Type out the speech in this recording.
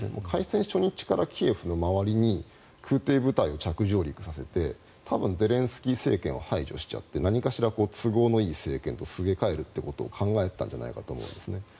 開戦初日からキエフの周りに空挺部隊を着上陸させて多分ゼレンスキー政権を排除しちゃって何かしら都合のいい政権と挿げ替えるということを考えたんじゃないかと思うんです。